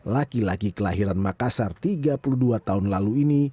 laki laki kelahiran makassar tiga puluh dua tahun lalu ini